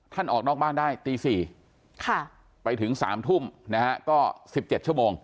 ออกนอกบ้านได้ตี๔ไปถึง๓ทุ่มนะฮะก็๑๗ชั่วโมง